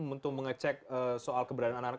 untuk mengecek soal keberadaan anak anak